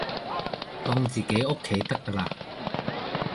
當自己屋企得㗎喇